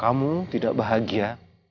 kalau kamu tidak bahagia